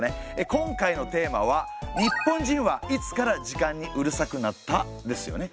今回のテーマは「日本人はいつから時間にうるさくなった？」ですよね。